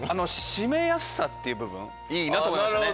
締めやすさっていう部分いいなと思いましたね